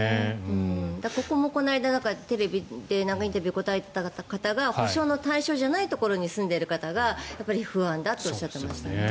ここもこの間テレビのインタビューに答えている方が補償の対象じゃないところに住んでいる方が不安だとおっしゃっていました。